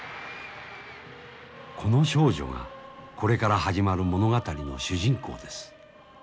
この少女がこれから始まる物語の主人公です。